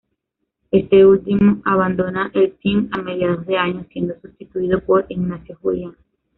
Este último abandona el team a mediados de año, siendo sustituido por Ignacio Julián.